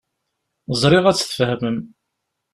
Ẓriɣ ad tt-tfehmem.